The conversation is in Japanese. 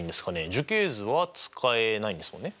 樹形図は使えないんですもんね。